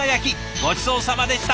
ごちそうさまでした。